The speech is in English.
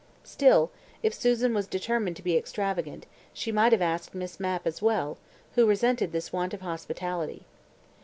Still, if Susan was determined to be extravagant, she might have asked Miss Mapp as well, who resented this want of hospitality.